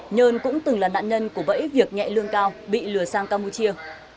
nhơn cũng từng là nạn nhân của bẫy việc nhẹ lương cao bị lừa sang campuchia